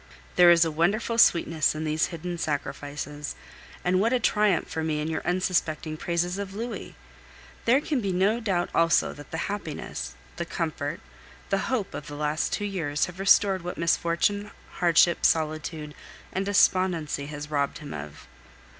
There is a wonderful sweetness in these hidden sacrifices, and what a triumph for me in your unsuspecting praises of Louis! There can be no doubt also that the happiness, the comfort, the hope of the last two years have restored what misfortune, hardship, solitude, and despondency has robbed him of.